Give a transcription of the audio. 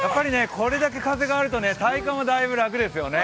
これだけ風があると体感はだいぶ楽ですよね。